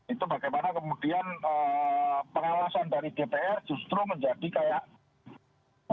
itu bagaimana kemudian pengawasan dari dpr justru menjadi kayak